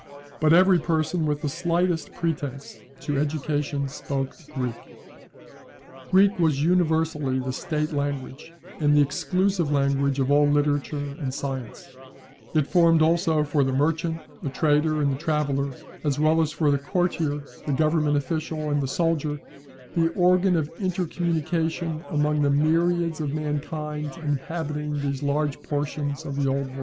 But every person with the slightest pretence to education spoke Greek. Greek was universally the State language, and the exclusive language of all literature and science, It formed also for the merchant, the trader, and the traveller, as well as for the courtier, the government official, and the soldier, the organ of intercommunication among the myriads of mankind inhabiting these large portions of the Old World.